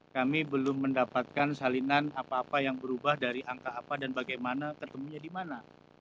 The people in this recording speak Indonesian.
kami belum mendapatkan salinan apa apa yang berubah dari angka apa dan bagaimana ketemunya di mana